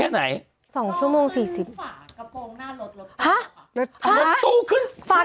ว้าว